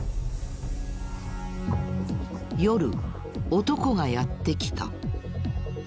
夜男がやって来た。